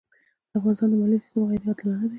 د افغانستان د مالیې سېستم غیرې عادلانه دی.